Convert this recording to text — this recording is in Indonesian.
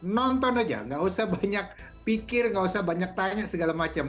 nonton aja gak usah banyak pikir gak usah banyak tanya segala macam